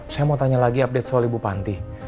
saya mau tanya lagi update soal ibu panti